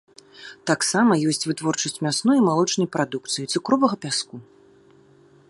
Таксама ёсць вытворчасць мясной і малочнай прадукцыі, цукровага пяску.